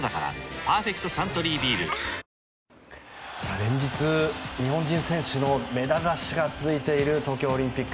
連日、日本人選手のメダルラッシュが続いている東京オリンピック。